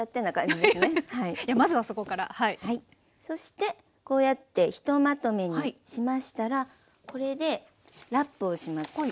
そしてこうやってひとまとめにしましたらこれでラップをします。